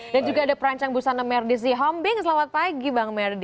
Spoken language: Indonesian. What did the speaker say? dan juga ada perancang busana merdi zihombing selamat pagi bang merdi